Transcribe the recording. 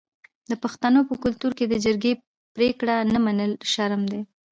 د پښتنو په کلتور کې د جرګې پریکړه نه منل شرم دی.